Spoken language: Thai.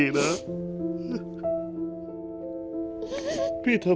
มึงก็เปลี่ยน